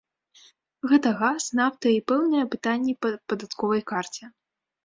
Гэта газ, нафта і пэўныя пытанні па падатковай карце.